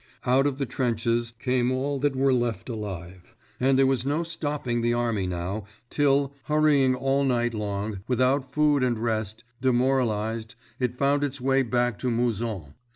Out of the trenches came all that were left alive, and there was no stopping the army now, till, hurrying all night long without food and rest, demoralized, it found its way back to Mouzon.